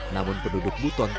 namun penduduk buton